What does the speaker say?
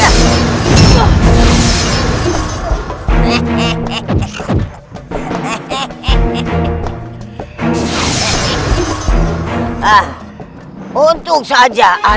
jangan lupa baca bismillah